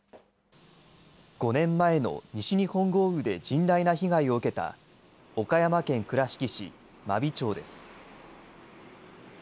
５年前の西日本豪雨で甚大な被害を受けた岡山県倉敷市真備町です。